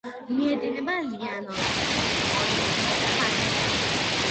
მიედინება ლიანოს-ორინოკოს ვაკეზე.